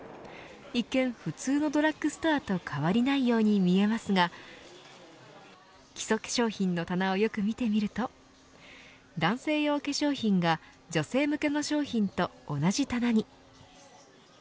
一見、普通のドラッグストアと変わりないように見えますが基礎化粧品の棚をよく見てみると男性用化粧品が女性向けの商品と同じ棚に。